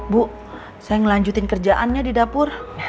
bu saya ngelanjutin kerjaannya di dapur